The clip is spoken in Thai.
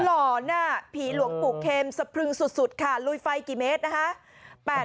หล่อนผีหลวงปู่เข็มสะพรึงสุดค่ะลุยไฟกี่เมตรนะคะ